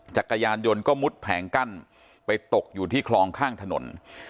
จักรยานยนต์ก็มุดแผงกั้นไปตกอยู่ที่คลองข้างถนน